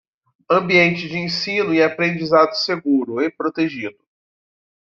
Ambiente de ensino e aprendizagem seguro e protegido